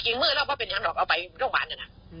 จริงมื้อเราไม่เป็นอย่างนอกเอาไปโรงหวานอ่ะนะ